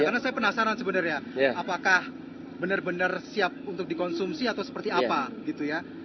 karena saya penasaran sebenarnya apakah benar benar siap untuk dikonsumsi atau seperti apa gitu ya